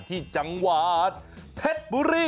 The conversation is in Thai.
ที่จังหวัดเพชรบุรี